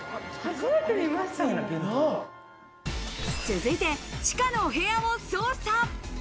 続いて地下のお部屋を捜査。